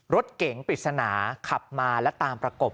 รถเก๋งปริศนาขับมาและตามประกบ